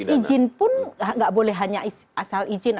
izin pun nggak boleh hanya asal izin